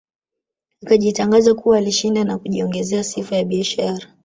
Akajitangaza kuwa alishinda na kujiongezea sifa ya biashara